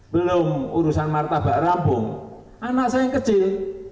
belum urusan martabak rambung anak saya yang kecil